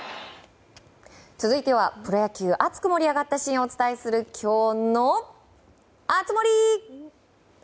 続いてはプロ野球熱く盛り上がったシーンをお伝えする、きょうの熱盛。